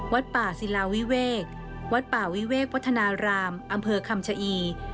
วัดป่าศิลาวิเวกวัดป่าวิเวกวัฒนารามอำเภอคำชะอี